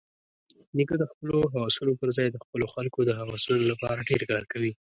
نیکه د خپلو هوسونو پرځای د خپلو خلکو د هوسونو لپاره ډېر کار کوي.